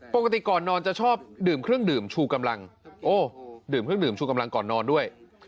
ปกติก่อนนอนจะชอบดื่มเครื่องดื่มชูกำลังโอ้ดื่มเครื่องดื่มชูกำลังก่อนนอนด้วย